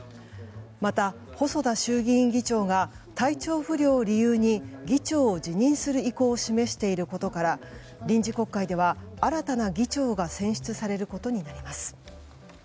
また、細田衆議院議長が体調不良を理由に議長を辞任する意向を示していることから臨時国会では、新たな議長が選出されることになります。